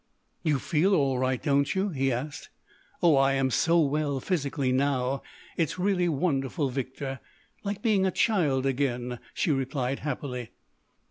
"You feel all right, don't you?" he asked. "Oh, I am so well, physically, now! It's really wonderful, Victor—like being a child again," she replied happily.